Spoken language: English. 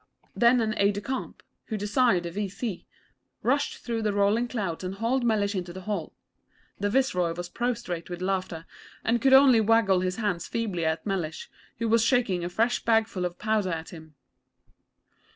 Then an Aide de Camp, who desired the V.C., rushed through the rolling clouds and hauled Mellish into the hall. The Viceroy was prostrate with laughter, and could only waggle his hands feebly at Mellish, who was shaking a fresh bagful of powder at him.